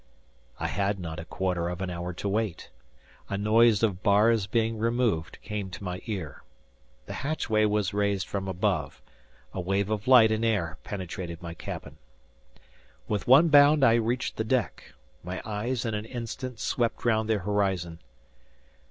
I had not a quarter of an hour to wait. A noise of bars being removed came to my ear. The hatchway was raised from above. A wave of light and air penetrated my cabin. With one bound I reached the deck. My eyes in an instant swept round the horizon.